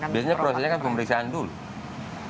biasanya prosesnya kan pemeriksaan dulu